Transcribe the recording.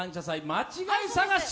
間違い探し